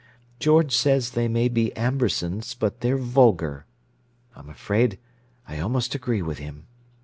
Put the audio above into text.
George says they may be Ambersons, but they're vulgar! I'm afraid I almost agree with him.